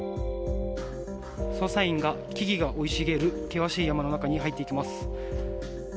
捜査員が木々が生い茂る険しい山の中に入っていきます。